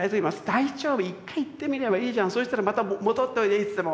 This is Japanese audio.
「大丈夫一回行ってみればいいじゃん。そうしたらまた戻っておいでいつでも」とうれしそうに言う。